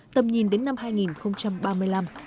tầm nhìn đến năm hai nghìn ba mươi năm